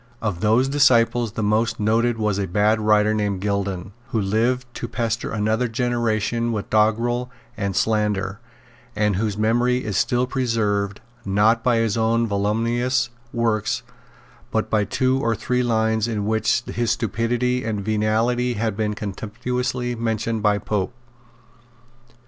Of those disciples the most noted was a bad writer named Gildon, who lived to pester another generation with doggrel and slander, and whose memory is still preserved, not by his own voluminous works, but by two or three lines in which his stupidity and venality have been contemptuously mentioned by Pope.